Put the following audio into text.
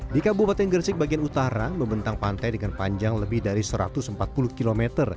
di kabupaten gresik bagian utara membentang pantai dengan panjang lebih dari satu ratus empat puluh km